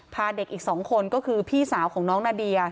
พาเด็กอีก๒คนก็คือพี่สาวของน้องนาเดีย